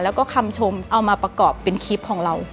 แล้วก็คำชมเอามาประกอบเป็นคลิปของเรา